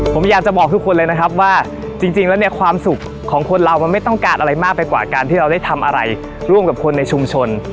ผมอยากจะบอกทุกคนเลยนะครับว่าจริงแล้วเนี่ยความสุขของคนเรามันไม่ต้องการอะไรมากไปกว่าการที่เราได้ทำอะไรร่วมกับคนในชุมชน